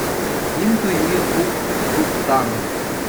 Ним туйми хуп турттарнӑ.